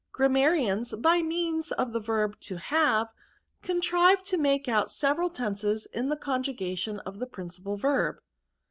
Orammarians, by means of the verb to have, contrive to make out several tenses iiu the conjugation of the principal verb.'